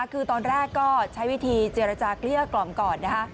คือตอนแรกก็ใช้วิธีเจรจาเกลี้ยกล่อมก่อนนะคะ